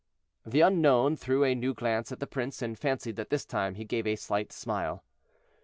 The unknown threw a new glance at the prince, and fancied that this time he gave a slight smile.